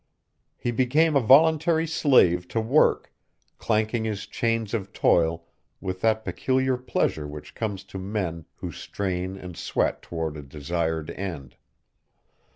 He became a voluntary slave to work, clanking his chains of toil with that peculiar pleasure which comes to men who strain and sweat toward a desired end.